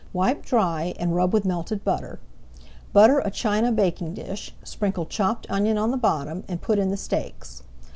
Wipe dry and rub with melted butter. Butter a china baking dish, sprinkle chopped onion on the bottom and put in the steaks.